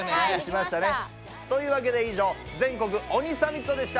というわけで以上全国鬼サミットでした！